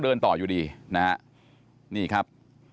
เดินต่ออยู่ดีนะฮะนี่ครับ